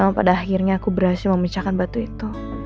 namun pada akhirnya saya berhasil memecahkan batu itu